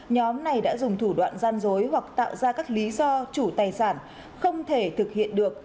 nhóm này đã dùng thủ đoạn gian dối hoặc tạo ra các lý do chủ tài sản không thể thực hiện được